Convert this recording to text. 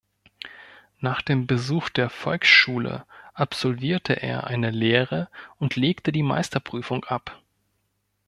Nach dem Besuch der Volksschule absolvierte er eine Lehre und legte die Meisterprüfung ab.